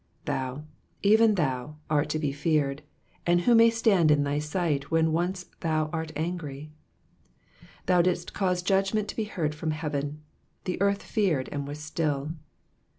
7 Thou, even thou, art to be feared : and who may stand in thy sight when once thou art angry ? 8 Thou didst cause judgment to be heard from heaven ; the earth feared, and was still.